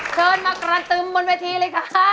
เชิญมากระตึมบนเวทีเลยค่ะ